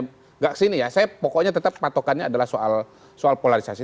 tidak kesini ya saya pokoknya tetap patokannya adalah soal polarisasi